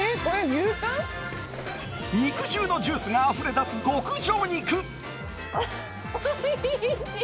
肉汁のジュースがあふれ出す極上肉。